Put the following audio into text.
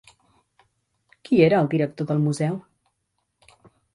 Qui era director del museu?